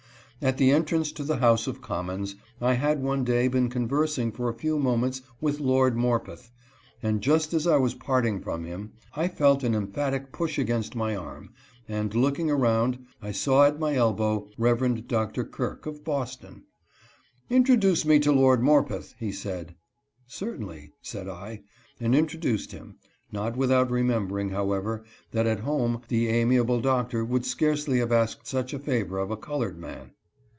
At the entrance to the House of Commons I had one day been conversing for a few moments with Lord Mor peth, and just as I was parting from him I felt an em phatic push against my arm, and, looking around, I saw at my elbow Rev. Dr. Kirk of Boston. " Introduce me to Lord Morpeth," he said. " Certainly," said I, and intro duced him ; not without remembering, however, that at home the amiable Doctor would scarcely have asked such a favor of a colored man.